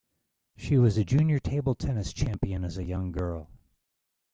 She was a junior table tennis champion as a young girl.